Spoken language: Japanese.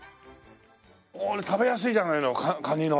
これ食べやすいじゃないのカニの。